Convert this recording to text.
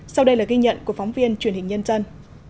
sau đây là ghi nhận của phóng viên truyền hình nhân dân